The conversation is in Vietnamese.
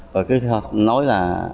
rồi cứ nói là